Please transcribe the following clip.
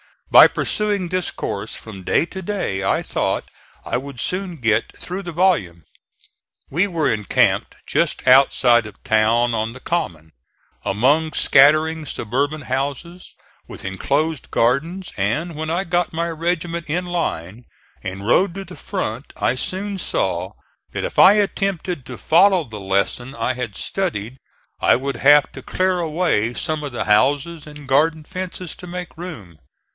By pursuing this course from day to day I thought I would soon get through the volume. We were encamped just outside of town on the common, among scattering suburban houses with enclosed gardens, and when I got my regiment in line and rode to the front I soon saw that if I attempted to follow the lesson I had studied I would have to clear away some of the houses and garden fences to make room.